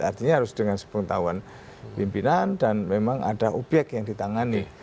artinya harus dengan sepengetahuan pimpinan dan memang ada obyek yang ditangani